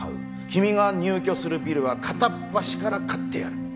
君が入居するビルは片っ端から買ってやる。